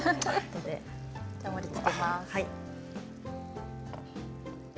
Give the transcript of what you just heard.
盛りつけます。